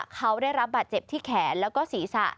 ต้องรับบาดเจ็บที่แขนและสีศะ